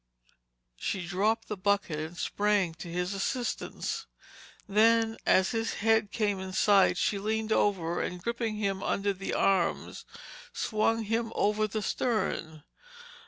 She dropped the bucket and sprang to his assistance. Then, as his head came in sight, she leaned over and gripping him under the arms, swung him over the stern.